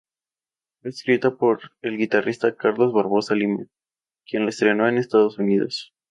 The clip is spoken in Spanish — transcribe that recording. Fue escrita para el guitarrista Carlos Barbosa-Lima, quien la estrenó en Estados Unidos.